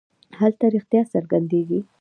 هلته رښتیا څرګندېږي.